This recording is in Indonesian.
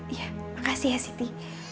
iya makasih ya siti